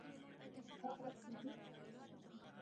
د جګړې راپورونه د ازادي راډیو د مقالو کلیدي موضوع پاتې شوی.